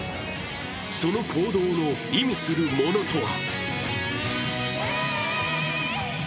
その行動の意味するものとは？